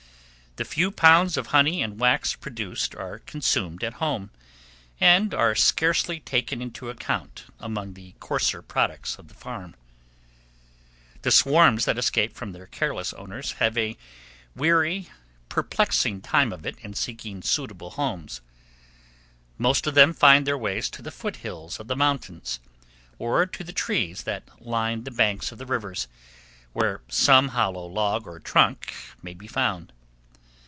The few pounds of honey and wax produced are consumed at home, and are scarcely taken into account among the coarser products of the farm. The swarms that escape from their careless owners have a weary, perplexing time of it in seeking suitable homes. Most of them make their way to the foot hills of the mountains, or to the trees that line the banks of the rivers, where some hollow log or trunk may be found.